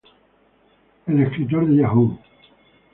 El escritor de Yahoo!